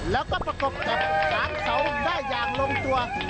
แล้วก็ประกบกับหางเสาได้อย่างลงตัว